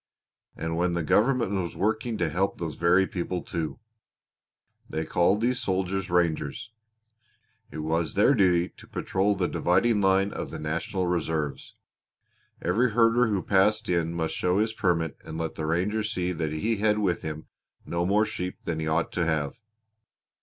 And when the government was working to help those very people, too. They called these soldiers rangers. It was their duty to patrol the dividing line of the National Reserves. Every herder who passed in must show his permit and let the ranger see that he had with him no more sheep than he ought to have.